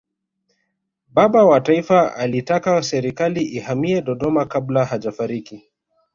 baba wa taifa alitaka serikali ihamie dodoma kabla hajafariki